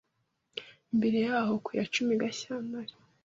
mbere yaho kuya cumi Gashyantare